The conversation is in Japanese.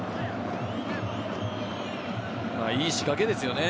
いい仕掛けですよね。